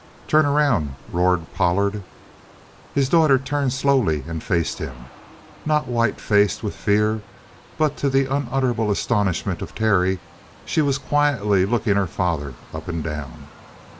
"Turn around!" roared Pollard. His daughter turned slowly and faced him. Not white faced with fear, but to the unutterable astonishment of Terry she was quietly looking her father up and down.